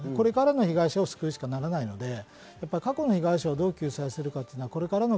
これからの被害者を救うことにしかならないので過去の被害者をどう救済するのか。